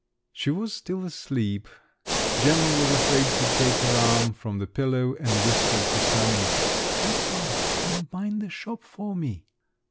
She was still asleep; Gemma was afraid to take her arm from the pillow, and whispered to Sanin: "You go, and mind the shop for me!"